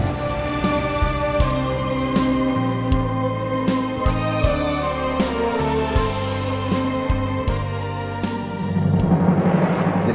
saya akan mengambil itu